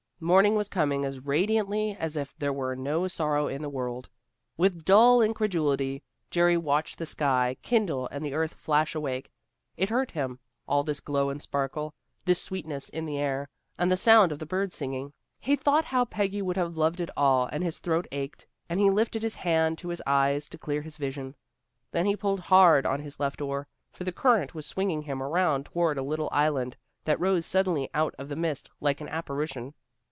Morning was coming as radiantly as if there were no sorrow in the world. With dull incredulity Jerry watched the sky kindle and the earth flash awake. It hurt him, all this glow and sparkle, this sweetness in the air, and the sound of the birds singing. He thought how Peggy would have loved it all and his throat ached, and he lifted his hand to his eyes to clear his vision. Then he pulled hard on his left oar, for the current was swinging him around toward a little island that rose suddenly out of the mist like an apparition.